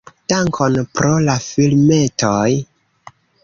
Dankon pro la filmetoj!